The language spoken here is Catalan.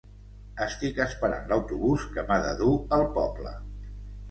Estic esperant l'autobús que m'ha de dur al poble